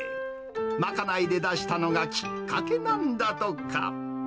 まかないで出したのがきっかけなんだとか。